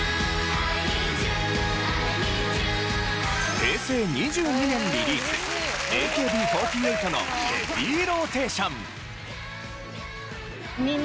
平成２２年リリースＡＫＢ４８の『ヘビーローテーション』。